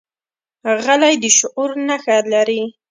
غلی، د شعور نښه لري.